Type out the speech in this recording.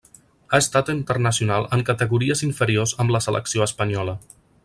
Ha estat internacional en categories inferiors amb la selecció espanyola.